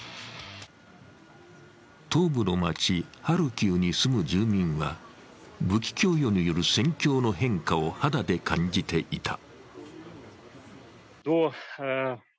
東部の街、ハルキウに住む住民は武器供与による戦況の変化を肌で感じていた。